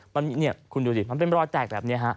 มันเป็นรอยแตกแบบนี้